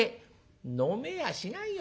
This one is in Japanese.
「飲めやしないよ